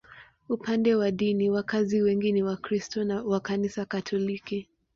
Upande wa dini, wakazi wengi ni Wakristo wa Kanisa Katoliki.